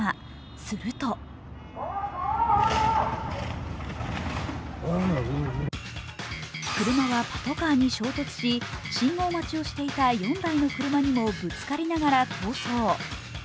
すると車はパトカーに衝突し、信号待ちをしていた４台の車にもぶつかりながら逃走。